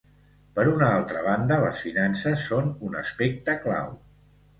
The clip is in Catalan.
Per una altra banda, les finances són un aspecte clau.